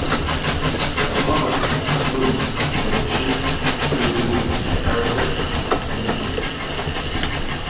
Mohammed is fluent in Balochi, Urdu, Arabic, and English.